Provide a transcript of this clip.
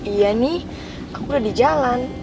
iya nih aku udah di jalan